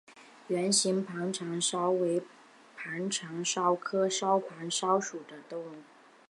圆形盘肠蚤为盘肠蚤科盘肠蚤属的动物。